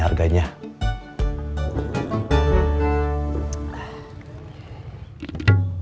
pantai pantai pantai